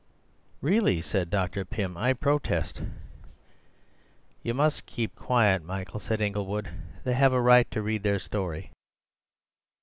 "Really!" said Dr. Pym; "I protest." "You must keep quiet, Michael," said Inglewood; "they have a right to read their story."